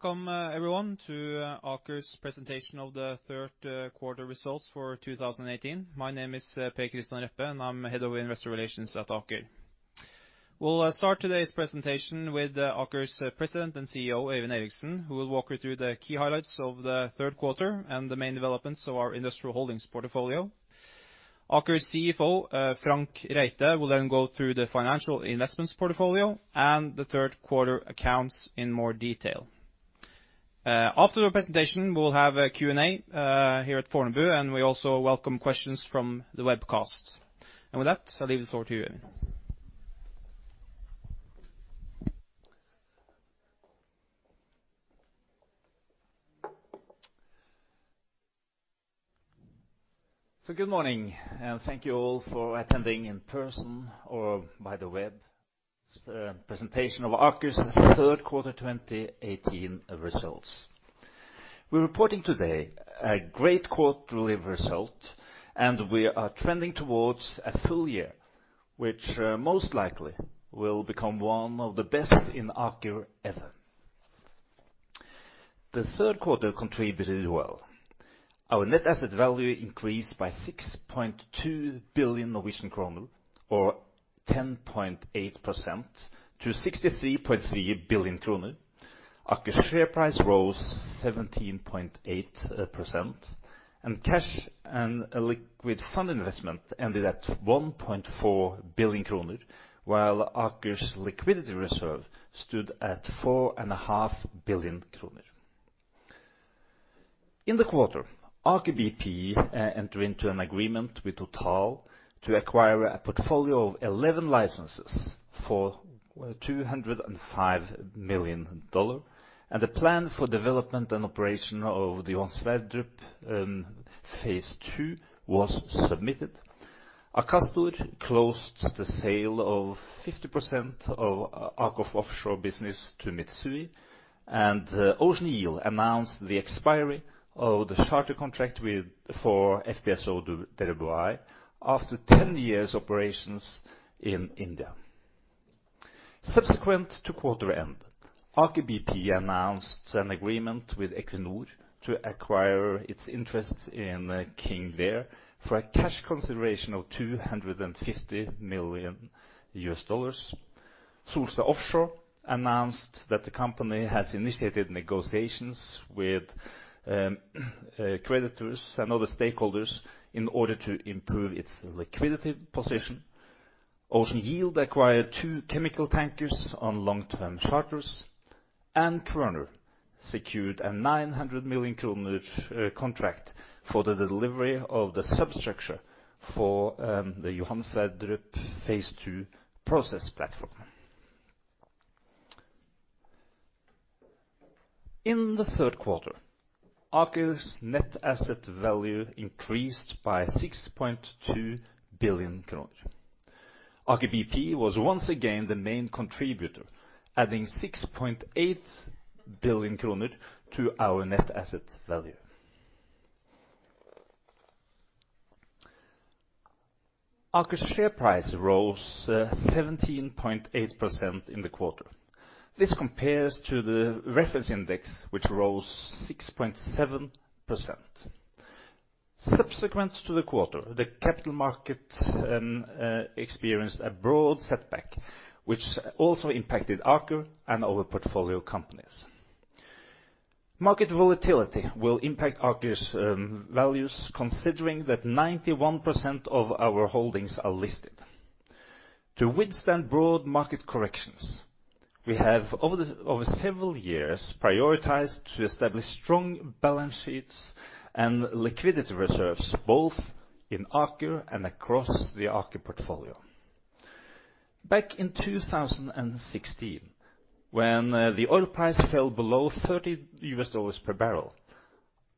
Welcome everyone to Aker's presentation of the third quarter results for 2018. My name is Per Kristian Reppe, I'm head of investor relations at Aker. We'll start today's presentation with Aker's President and CEO, Øyvind Eriksen, who will walk you through the key highlights of the third quarter and the main developments of our industrial holdings portfolio. Aker's CFO, Frank O. Reite, will then go through the financial investments portfolio and the third quarter accounts in more detail. After the presentation, we'll have a Q&A here at Fornebu, we also welcome questions from the webcast. With that, I'll leave the floor to you, Øyvind. Good morning and thank you all for attending in person or by the web presentation of Aker's third quarter 2018 results. We're reporting today a great quarterly result, we are trending towards a full year, which most likely will become one of the best in Aker ever. The third quarter contributed well. Our net asset value increased by 6.2 billion Norwegian kroner, or 10.8%, to 63.3 billion kroner. Aker's share price rose 17.8%, cash and liquid fund investment ended at 1.4 billion kroner, while Aker's liquidity reserve stood at 4.5 billion kroner. In the quarter, Aker BP ASA entered into an agreement with TotalEnergies SE to acquire a portfolio of 11 licenses for $205 million. The plan for development and operation of the Johan Sverdrup Phase 2 was submitted. Aker Stord closed the sale of 50% of AKOFS Offshore business to Mitsui & Co., Ltd. Ocean Yield ASA announced the expiry of the charter contract for FPSO Dhirubhai-1 after 10 years operations in India. Subsequent to quarter end, Aker BP ASA announced an agreement with Equinor ASA to acquire its interest in King Lear for a cash consideration of $250 million. Solstad Offshore announced that the company has initiated negotiations with creditors and other stakeholders in order to improve its liquidity position. Ocean Yield ASA acquired two chemical tankers on long-term charters. Kværner secured a 900 million kroner contract for the delivery of the substructure for the Johan Sverdrup Phase 2 process platform. In the third quarter, Aker's net asset value increased by 6.2 billion kroner. Aker BP ASA was once again the main contributor, adding 6.8 billion kroner to our net asset value. Aker's share price rose 17.8% in the quarter. This compares to the reference index, which rose 6.7%. Subsequent to the quarter, the capital market experienced a broad setback, which also impacted Aker and our portfolio companies. Market volatility will impact Aker's values, considering that 91% of our holdings are listed. To withstand broad market corrections, we have over several years prioritized to establish strong balance sheets and liquidity reserves both in Aker and across the Aker portfolio. Back in 2016, when the oil price fell below $30 per barrel,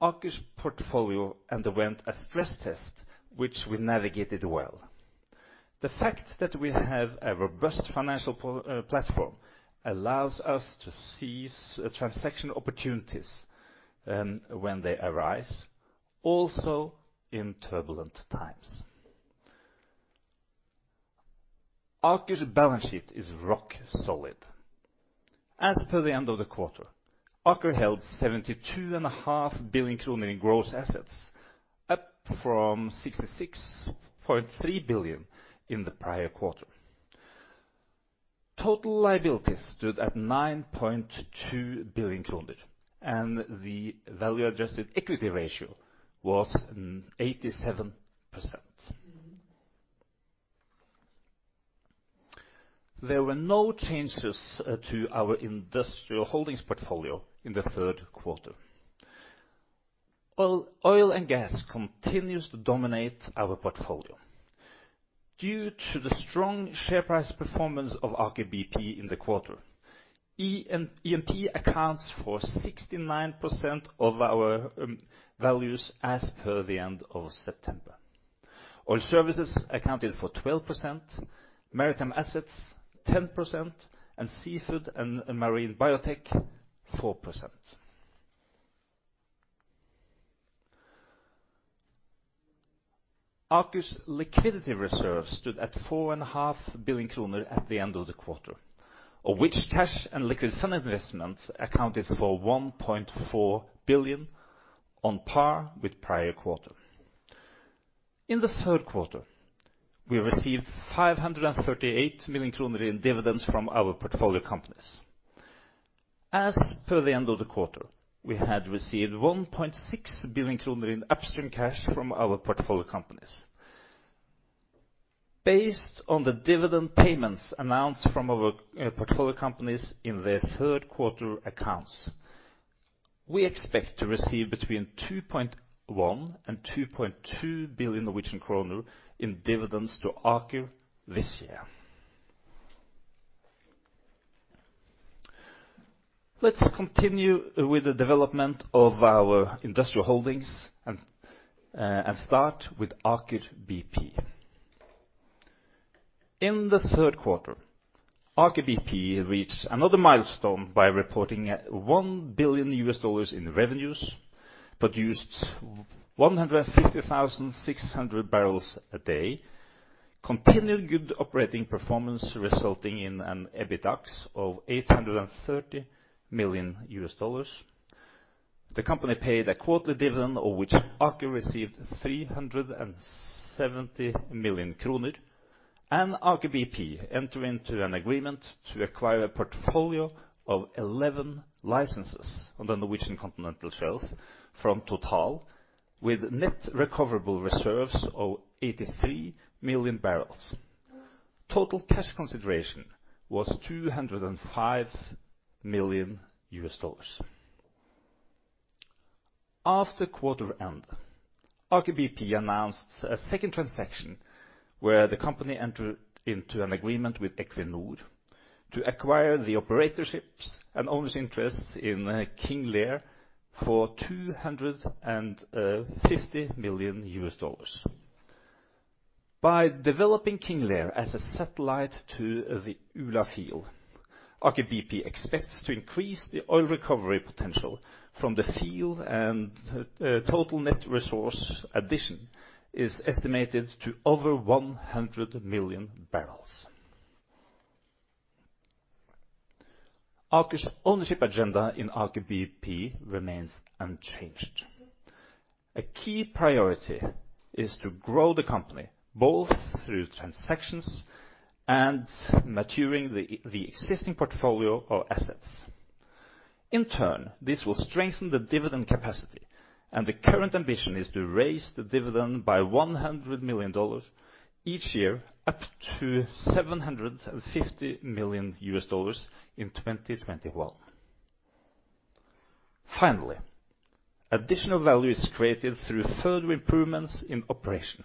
Aker's portfolio underwent a stress test which we navigated well. The fact that we have a robust financial platform allows us to seize transaction opportunities when they arise, also in turbulent times. Aker's balance sheet is rock solid. As per the end of the quarter, Aker held 72.5 billion kroner in gross assets, up from 66.3 billion in the prior quarter. Total liabilities stood at 9.2 billion kroner, and the value-adjusted equity ratio was 87%. There were no changes to our industrial holdings portfolio in the third quarter. Oil and gas continues to dominate our portfolio. Due to the strong share price performance of Aker BP in the quarter, E&P accounts for 69% of our values as per the end of September. Oil services accounted for 12%, maritime assets, 10%, and seafood and marine biotech, 4%. Aker's liquidity reserves stood at 4.5 billion kroner at the end of the quarter, of which cash and liquid fund investments accounted for 1.4 billion on par with prior quarter. In the third quarter, we received 538 million kroner in dividends from our portfolio companies. As per the end of the quarter, we had received 1.6 billion kroner in upstream cash from our portfolio companies. Based on the dividend payments announced from our portfolio companies in their third quarter accounts, we expect to receive between 2.1 billion and 2.2 billion Norwegian kroner in dividends to Aker this year. Let's continue with the development of our industrial holdings and start with Aker BP. In the third quarter, Aker BP reached another milestone by reporting $1 billion in revenues, produced 150,600 barrels a day, continued good operating performance resulting in an EBITDA of $830 million. The company paid a quarter dividend, of which Aker received 370 million kroner, and Aker BP entered into an agreement to acquire a portfolio of 11 licenses on the Norwegian continental shelf from Total with net recoverable reserves of 83 million barrels. Total cash consideration was $205 million. After quarter end, Aker BP announced a second transaction where the company entered into an agreement with Equinor to acquire the operatorships and owner's interests in King Lear for $250 million. By developing King Lear as a satellite to the Ula field, Aker BP expects to increase the oil recovery potential from the field, and total net resource addition is estimated to over 100 million barrels. Aker's ownership agenda in Aker BP remains unchanged. A key priority is to grow the company both through transactions and maturing the existing portfolio of assets. In turn, this will strengthen the dividend capacity, and the current ambition is to raise the dividend by $100 million each year, up to $750 million in 2021. Finally, additional value is created through further improvements in operation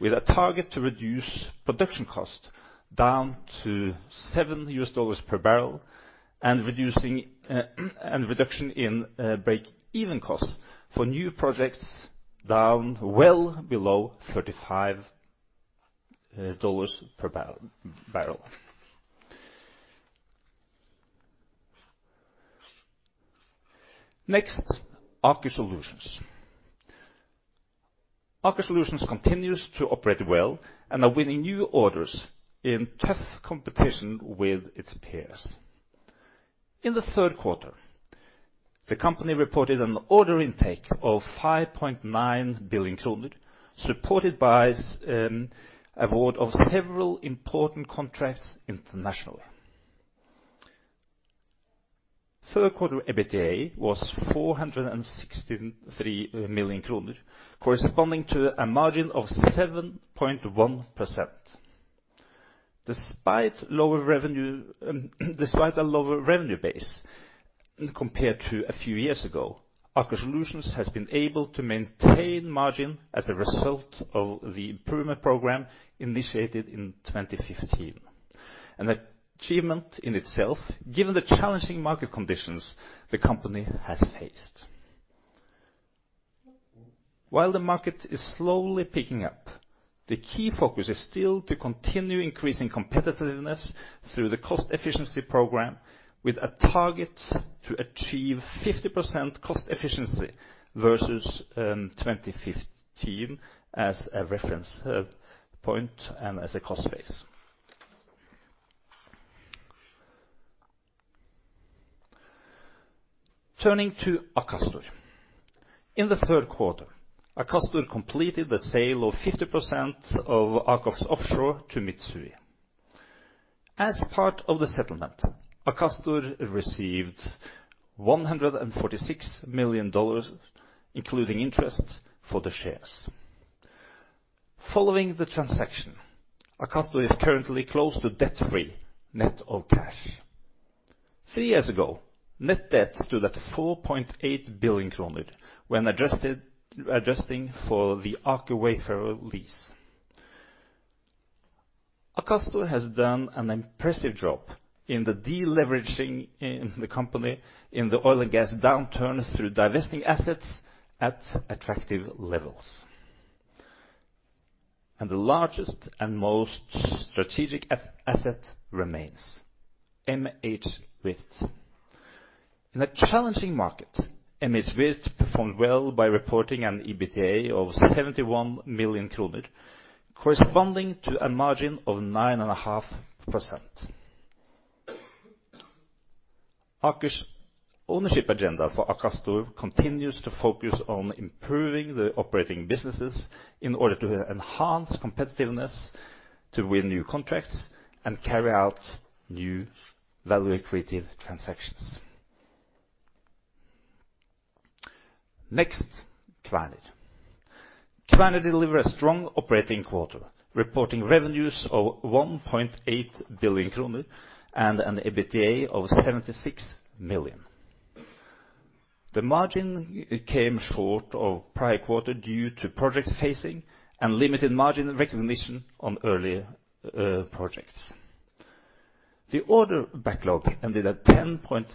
with a target to reduce production cost down to $7 per barrel and reduction in breakeven costs for new projects down well below $35 per barrel. Next, Aker Solutions. Aker Solutions continues to operate well and are winning new orders in tough competition with its peers. In the third quarter, the company reported an order intake of 5.9 billion kroner, supported by an award of several important contracts internationally. Third quarter EBITDA was 463 million kroner, corresponding to a margin of 7.1%. Despite a lower revenue base compared to a few years ago, Aker Solutions has been able to maintain margin as a result of the improvement program initiated in 2015. An achievement in itself, given the challenging market conditions the company has faced. While the market is slowly picking up, the key focus is still to continue increasing competitiveness through the cost efficiency program with a target to achieve 50% cost efficiency versus 2015 as a reference point and as a cost base. Turning to Akastor. In the third quarter, Akastor completed the sale of 50% of AKOFS Offshore to Mitsui. As part of the settlement, Akastor received $146 million, including interest for the shares. Following the transaction, Akastor is currently close to debt-free, net of cash. Three years ago, net debt stood at 4.8 billion kroner when adjusting for the Aker Wayfarer lease. Akastor has done an impressive job in the deleveraging in the company in the oil and gas downturn through divesting assets at attractive levels. The largest and most strategic asset remains, MHWirth. In a challenging market, MHWirth performed well by reporting an EBITDA of 71 million kroner, corresponding to a margin of 9.5%. Aker's ownership agenda for Akastor continues to focus on improving the operating businesses in order to enhance competitiveness to win new contracts and carry out new value-creative transactions. Next, Transocean. Transocean delivered a strong operating quarter, reporting revenues of 1.8 billion kroner and an EBITDA of 76 million. The margin came short of prior quarter due to project phasing and limited margin recognition on early projects. The order backlog ended at 10.6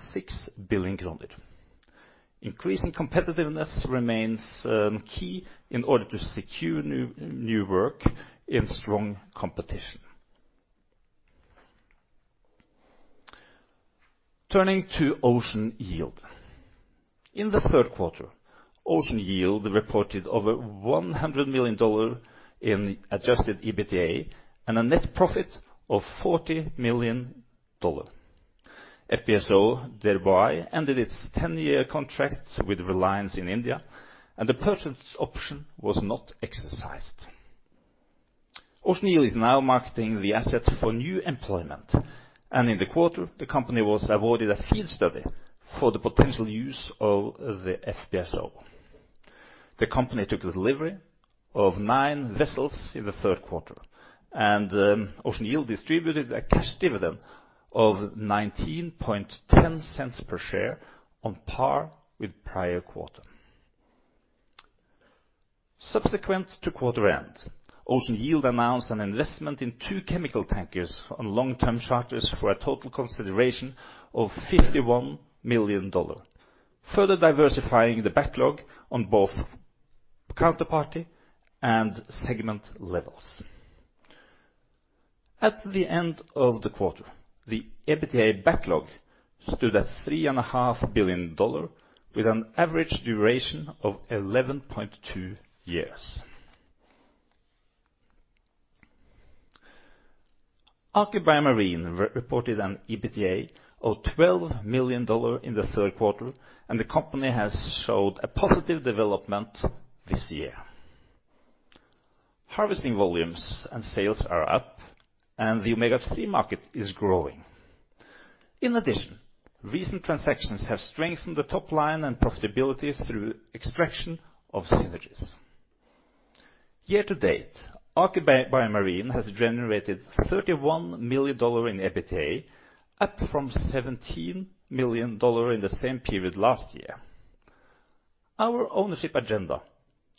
billion kroner. Increasing competitiveness remains key in order to secure new work in strong competition. Turning to Ocean Yield. In the third quarter, Ocean Yield reported over $100 million in adjusted EBITDA and a net profit of $40 million. FPSO thereby ended its 10-year contract with Reliance in India, and the purchase option was not exercised. Ocean Yield is now marketing the assets for new employment, and in the quarter the company was awarded a field study for the potential use of the FPSO. The company took the delivery of nine vessels in the third quarter, and Ocean Yield distributed a cash dividend of $0.1910 per share, on par with prior quarter. Subsequent to quarter end, Ocean Yield announced an investment in two chemical tankers on long-term charters for a total consideration of $51 million, further diversifying the backlog on both counterparty and segment levels. At the end of the quarter, the EBITDA backlog stood at $3.5 billion, with an average duration of 11.2 years. Aker BioMarine reported an EBITDA of $12 million in the third quarter, and the company has showed a positive development this year. Harvesting volumes and sales are up, and the omega-3 market is growing. In addition, recent transactions have strengthened the top line and profitability through extraction of synergies. Year to date, Aker BioMarine has generated $31 million in EBITDA, up from $17 million in the same period last year. Our ownership agenda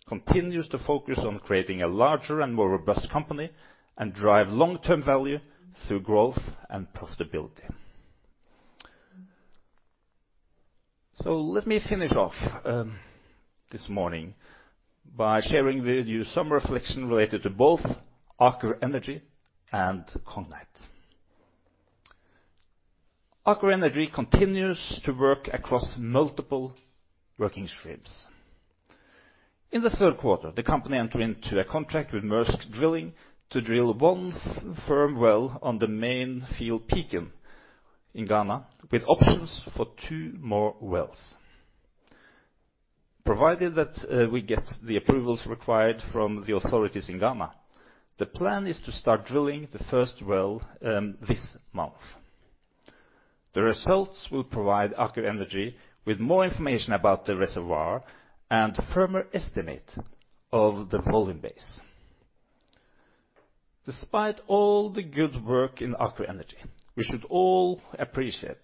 continues to focus on creating a larger and more robust company and drive long-term value through growth and profitability. Let me finish off this morning by sharing with you some reflection related to both Aker Energy and Cognite. Aker Energy continues to work across multiple working streams. In the third quarter, the company entered into a contract with Maersk Drilling to drill one firm well on the main field, Pecan, in Ghana with options for two more wells. Provided that we get the approvals required from the authorities in Ghana, the plan is to start drilling the first well this month. The results will provide Aker Energy with more information about the reservoir and firmer estimate of the volume base. Despite all the good work in Aker Energy, we should all appreciate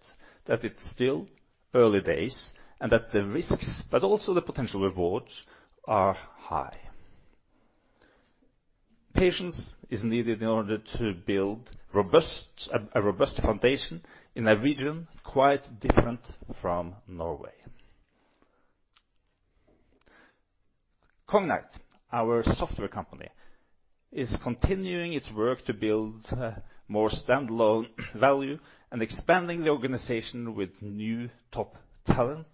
that it's still early days and that the risks, but also the potential rewards, are high. Patience is needed in order to build a robust foundation in a region quite different from Norway. Cognite, our software company, is continuing its work to build more standalone value and expanding the organization with new top talent,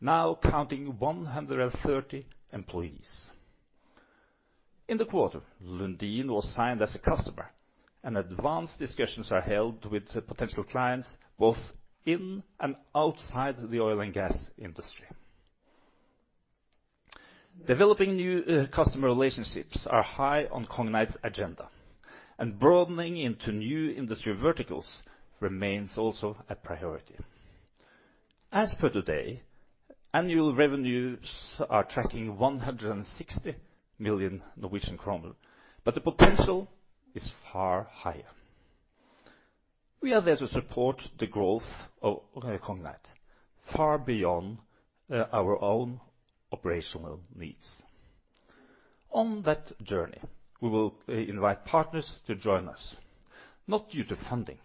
now counting 130 employees. In the quarter, Lundin was signed as a customer, and advanced discussions are held with potential clients both in and outside the oil and gas industry. Developing new customer relationships are high on Cognite's agenda, and broadening into new industry verticals remains also a priority. As per today, annual revenues are tracking 160 million Norwegian kroner, but the potential is far higher. We are there to support the growth of Cognite far beyond our own operational needs. On that journey, we will invite partners to join us, not due to funding,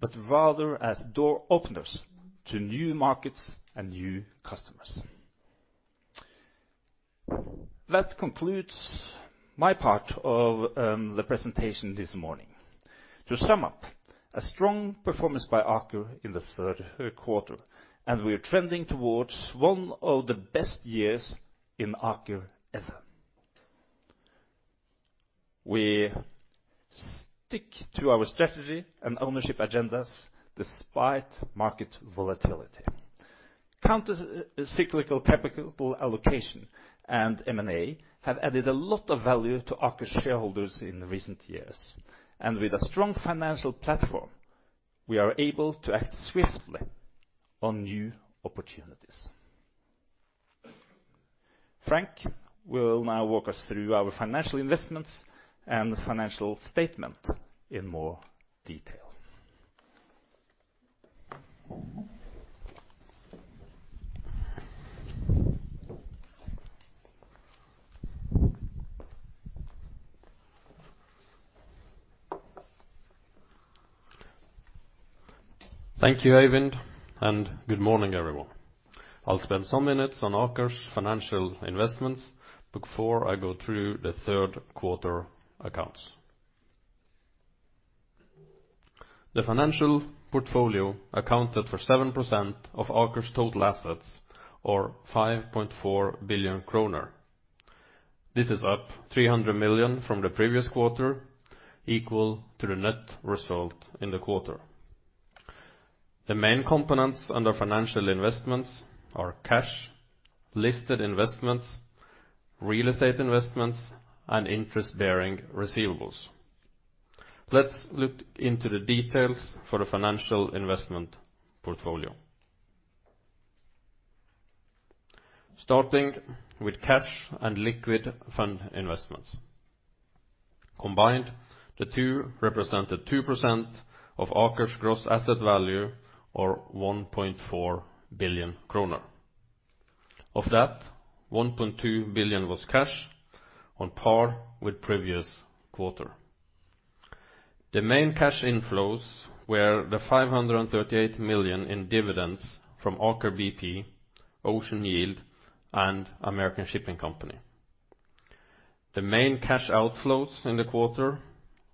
but rather as door openers to new markets and new customers. That concludes my part of the presentation this morning. To sum up, a strong performance by Aker in the third quarter, and we are trending towards one of the best years in Aker ever. We stick to our strategy and ownership agendas despite market volatility. Countercyclical capital allocation and M&A have added a lot of value to Aker shareholders in recent years. And with a strong financial platform, we are able to act swiftly on new opportunities. Frank will now walk us through our financial investments and financial statement in more detail. Thank you, Øyvind, and good morning, everyone. I'll spend some minutes on Aker's financial investments before I go through the third quarter accounts. The financial portfolio accounted for 7% of Aker's total assets or 5.4 billion kroner. This is up 300 million from the previous quarter, equal to the net result in the quarter. The main components under financial investments are cash, listed investments, real estate investments, and interest-bearing receivables. Let's look into the details for the financial investment portfolio. Starting with cash and liquid fund investments. Combined, the two represented 2% of Aker's gross asset value, or 1.4 billion kroner. Of that, 1.2 billion was cash on par with previous quarter. The main cash inflows were the 538 million in dividends from Aker BP, Ocean Yield, and American Shipping Company. The main cash outflows in the quarter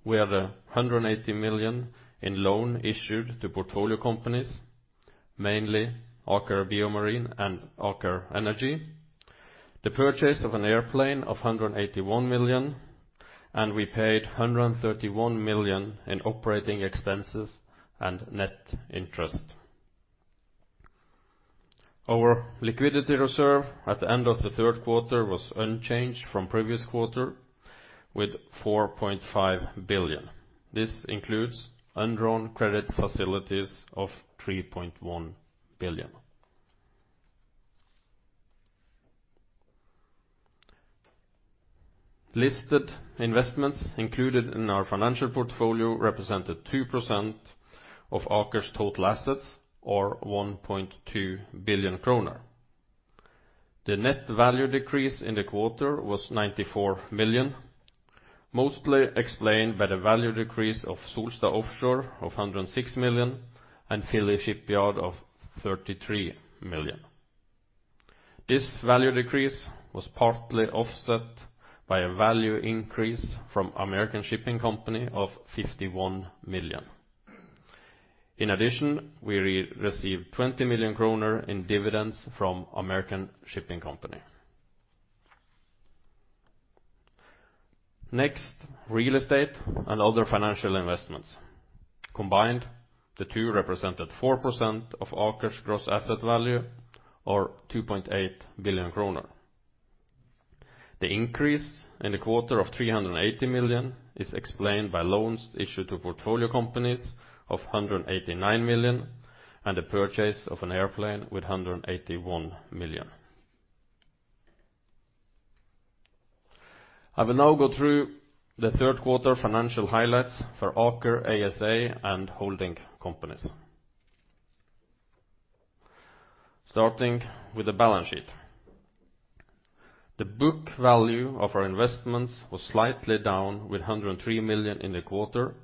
were the 180 million in loan issued to portfolio companies, mainly Aker BioMarine and Aker Energy. The purchase of an airplane of 181 million, and we paid 131 million in operating expenses and net interest. Our liquidity reserve at the end of the third quarter was unchanged from previous quarter with 4.5 billion. This includes undrawn credit facilities of 3.1 billion. Listed investments included in our financial portfolio represented 2% of Aker's total assets, or 1.2 billion kroner. The net value decrease in the quarter was 94 million, mostly explained by the value decrease of Solstad Offshore of 106 million and Philly Shipyard of 33 million. This value decrease was partly offset by a value increase from American Shipping Company of 51 million. In addition, we received 20 million kroner in dividends from American Shipping Company. Next, real estate and other financial investments. Combined, the two represented 4% of Aker's gross asset value or 2.8 billion kroner. The increase in the quarter of 380 million is explained by loans issued to portfolio companies of 189 million and the purchase of an airplane with 181 million. I will now go through the third quarter financial highlights for Aker ASA and holding companies. Starting with the balance sheet. The book value of our investments was slightly down with 103 million in the quarter,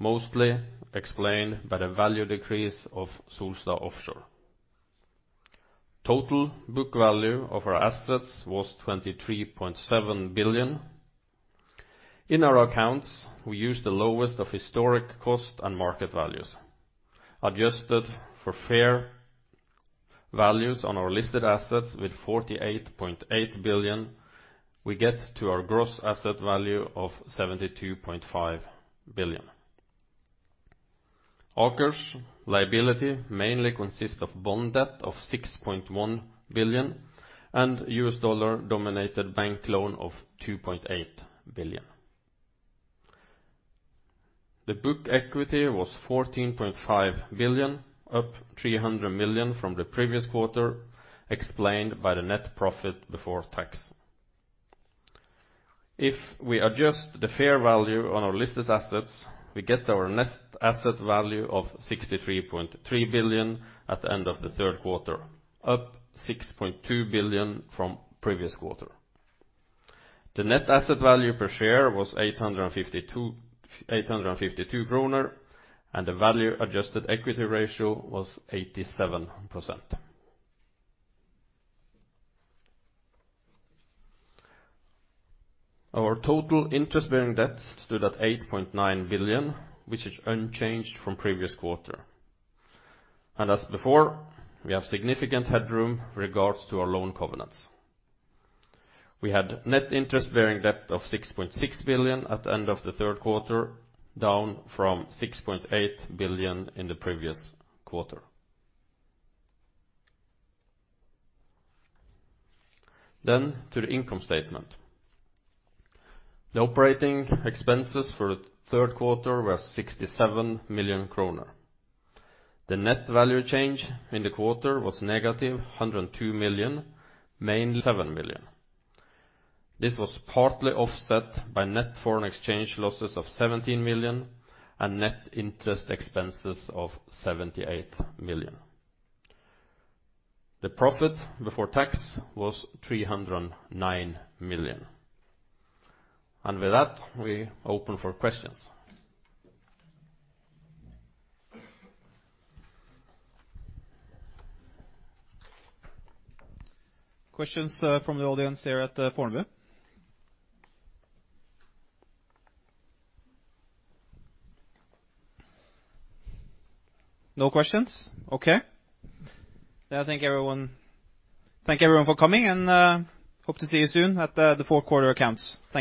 mostly explained by the value decrease of Solstad Offshore. Total book value of our assets was 23.7 billion. In our accounts, we use the lowest of historic cost and market values. Adjusted for fair values on our listed assets with 48.8 billion, we get to our gross asset value of 72.5 billion. Aker's liability mainly consists of bond debt of 6.1 billion and U.S. dollar-dominated bank loan of $2.8 billion. The book equity was 14.5 billion, up 300 million from the previous quarter, explained by the net profit before tax. If we adjust the fair value on our listed assets, we get our net asset value of 63.3 billion at the end of the third quarter, up 6.2 billion from previous quarter. The net asset value per share was 852, and the value-adjusted equity ratio was 87%. Our total interest-bearing debt stood at 8.9 billion, which is unchanged from previous quarter. As before, we have significant headroom regards to our loan covenants. We had net interest-bearing debt of 6.6 billion at the end of the third quarter, down from 6.8 billion in the previous quarter. To the income statement. The operating expenses for the third quarter were 67 million kroner. The net value change in the quarter was negative 102 million, mainly 7 million. This was partly offset by net foreign exchange losses of 17 million and net interest expenses of 78 million. The profit before tax was 309 million. With that, we open for questions. Questions from the audience here at Fornebu. No questions? Okay. I thank everyone for coming and hope to see you soon at the fourth quarter accounts. Thank you